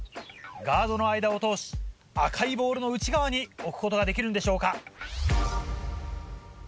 ガードの間を通し赤いボールの内側に置くことができるんでしょうか。